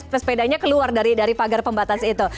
pesepedanya keluar dari pagar pembatas itu